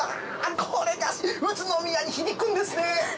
これが宇都宮に響くんですね！